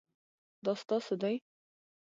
دا ستاسو دی؟